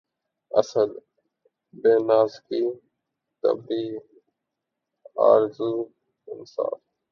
اسد! بہ نازکیِ طبعِ آرزو انصاف